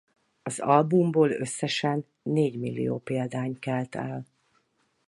Az albumból összesen négymillió példány kelt el.